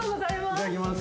いただきます。